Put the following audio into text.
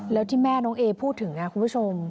แล้วที่แม่น้องเอพูดถึงคุณผู้ชม